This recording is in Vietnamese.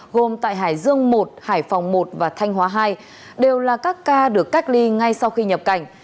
gồm tại hải dương một hải phòng một và thanh hóa hai đều là các ca được cách ly ngay sau khi nhập cảnh